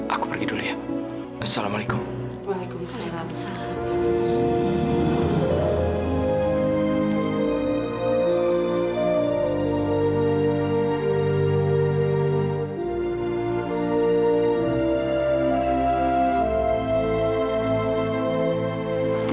aku pergi dulu ya assalamualaikum waalaikumsalam